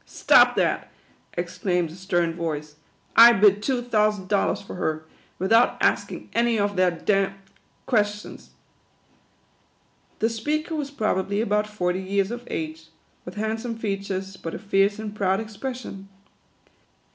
" Stop that !" exclaimed a stern voice. " I bid two thousand dollars for her, without asking any of their d ŌĆö d ques tions." The speaker was probably about forty years of age, with handsome features, but a fierce and proud expression.